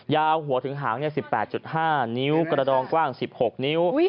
หัวถึงหาง๑๘๕นิ้วกระดองกว้าง๑๖นิ้ว